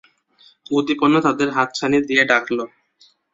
উদ্দীপনা তাদের হাতছানি দিয়ে ডাকল।